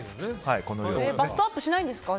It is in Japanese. バストアップしないんですか？